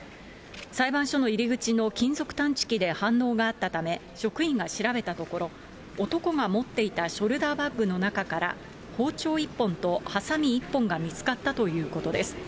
裁判所の入り口の金属探知機で反応があったため、職員が調べたところ、男が持っていたショルダーバッグの中から、包丁１本とはさみ１本が見つかったということです。